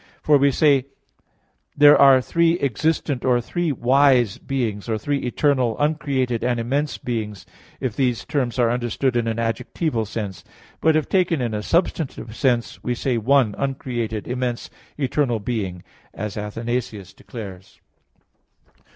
_ For we say there are three "existent" or three "wise" beings, or three "eternal," "uncreated," and "immense" beings, if these terms are understood in an adjectival sense. But if taken in a substantive sense, we say "one uncreated, immense, eternal being," as Athanasius declares.